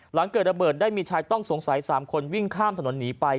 หลังเกิดระเบิดได้มีชายต้องสงสัย๓คนวิ่งข้ามถนนหนีไป